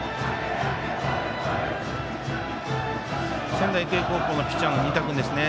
仙台育英高校のピッチャーの仁田君ですね